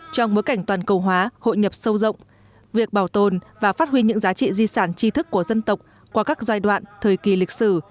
trong bối cảnh toàn cầu hóa hội nhập sâu rộng việc bảo tồn và phát huy những giá trị di sản chi thức của dân tộc qua các giai đoạn thời kỳ lịch sử